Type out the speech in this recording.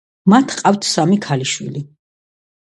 მათ ჰყავთ სამი ქალიშვილი.